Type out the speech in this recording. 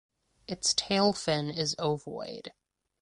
Its tailfin is ovoid.